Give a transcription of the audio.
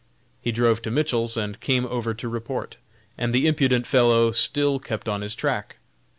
He drove to Mitchell's, and came over to report, and the impudent fellow still kept on his track.